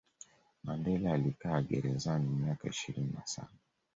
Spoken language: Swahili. mandela alikaa gerezani miaka ishirini na saba